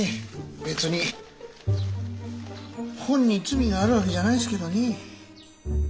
別に本に罪がある訳じゃないんですけどね。